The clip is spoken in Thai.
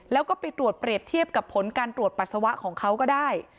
แล้วก็ไปตรวจเปรียบเทียบกับผลการตรวจปัสสาวะของเขาก็ได้